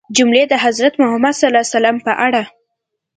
جملې د حضرت محمد ﷺ په اړه